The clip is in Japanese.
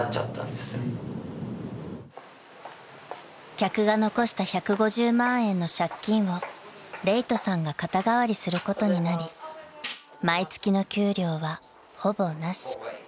［客が残した１５０万円の借金を礼人さんが肩代わりすることになり毎月の給料はほぼなし］